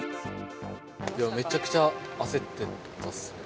めちゃくちゃ焦ってたっす。